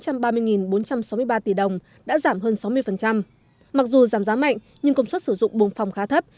mặc dù giảm giá mạnh nhưng công suất sử dụng bồn phòng khá thấp